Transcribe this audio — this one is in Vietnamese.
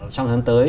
trong hướng tới